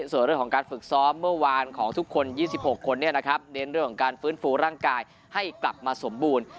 ส่วนเรื่องของการฝึกซ้อมเมื่อวานของทุกคน๒๖คนเน้นเรื่องของการฟื้นฟูร่างกายให้กลับมาสมบูรณ์